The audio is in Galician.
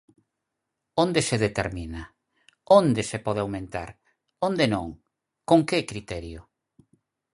¿Onde se determina?, ¿onde se pode aumentar?, ¿onde non?, ¿con que criterio?